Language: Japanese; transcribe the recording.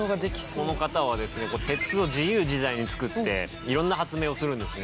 この方はですね鉄を自由自在に作って色んな発明をするんですね。